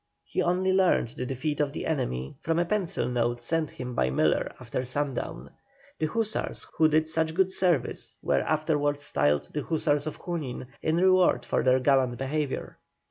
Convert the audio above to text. He only learned the defeat of the enemy from a pencil note sent him by Miller after sundown. The hussars who did such good service were afterwards styled the Hussars of Junin, in reward for their gallant behaviour.